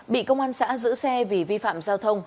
bị công an xã giữ xe vì vi phạm giao thông